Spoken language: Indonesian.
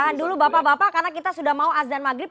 tahan dulu bapak bapak karena kita sudah mau azan maghrib